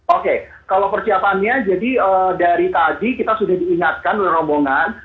oke kalau persiapannya jadi dari tadi kita sudah diingatkan oleh rombongan